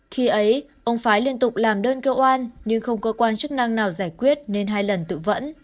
khi ấy ông phái liên tục làm đơn kêu oan nhưng không cơ quan chức năng nào giải quyết nên hai lần tự vẫn